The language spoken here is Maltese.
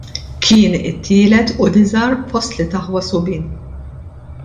Kien it-tielet u l-iżgħar fost tliet aħwa subien.